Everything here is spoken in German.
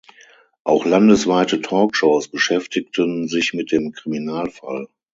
Auch landesweite Talkshows beschäftigten sich mit dem Kriminalfall.